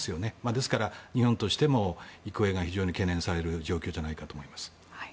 ですから、日本としても行方が非常に懸念される状況だと思います。